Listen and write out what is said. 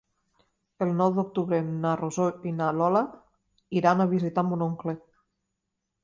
El nou d'octubre na Rosó i na Lola iran a visitar mon oncle.